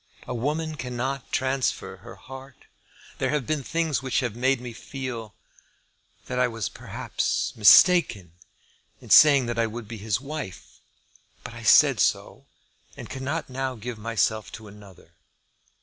A woman cannot transfer her heart. There have been things which have made me feel, that I was perhaps mistaken, in saying that I would be, his wife. But I said so, and cannot now give myself to another.